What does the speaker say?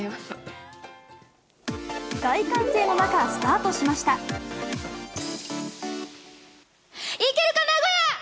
大歓声の中、スタートしましいけるか、名古屋！